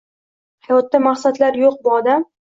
Hayotda maqsadlar yo'q, bu odam